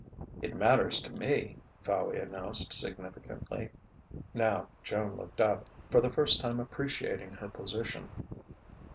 "It matters to me," Fowey announced significantly. Now Joan looked up, for the first time appreciating her position.